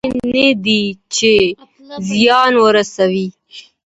فشار حتمي نه دی چې زیان ورسوي.